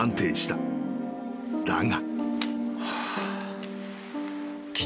［だが］